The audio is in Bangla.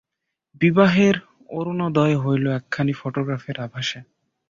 বিবাহের অরুণোদয় হইল একখানি ফোটোগ্রাফের আভাসে।